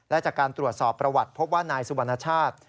และจากการตรวจสอบประวัติพบว่านายสุวรรณชาติ